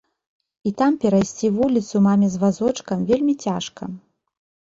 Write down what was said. І там перайсці вуліцу маме з вазочкам вельмі цяжка.